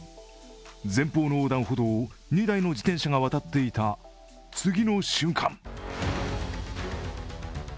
前方の横断歩道を２台の自転車が渡っていた次の瞬間